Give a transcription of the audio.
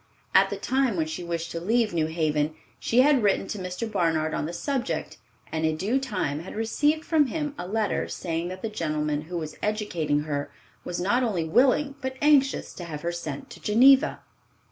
At the time when she wished to leave New Haven, she had written to Mr. Barnard on the subject, and in due time had received from him a letter saying that the gentleman who was educating her was not only willing but anxious to have her sent to Geneva.